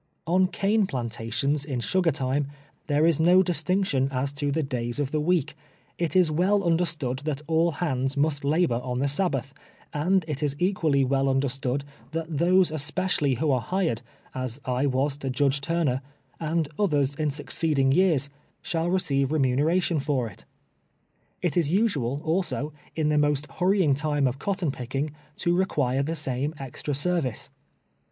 On cane plantations in sugar time, there is no dis tinction as to the days of the week. It is well un derstood that all hands must labor on the Sabbath, and it is equally well understood that those especial ly who are hired, as I was to Judge Turner, and oth ers in succeeding years, shall receive remuneration for it. It is nsual, also, in the most hurrying time of cotton picking, to require the same extra service.